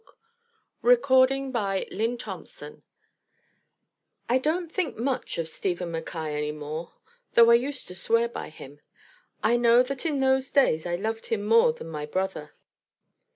That Spot By Jack London I DON'T think much of Stephen Mackaye any more, though I used to swear by him. I know that in those days I loved him more than my brother.